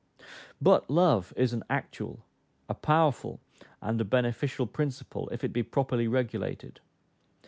But love is an actual, a powerful, and a beneficial principle, if it be properly regulated.